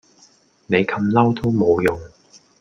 你咁嬲都無用